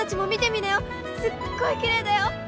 すっごいきれいだよ。